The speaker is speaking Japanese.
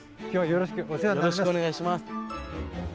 よろしくお願いします。